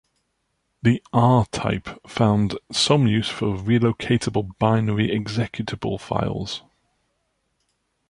The "R" type found some use for relocatable binary executable files.